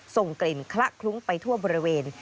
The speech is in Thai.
ส่งกลิ่นคละคลุ้งไปทั่วบริเวณ